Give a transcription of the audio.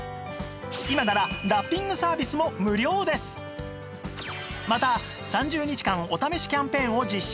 さらに今ならまた３０日間お試しキャンペーンを実施